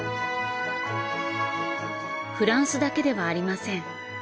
フランスだけではありません。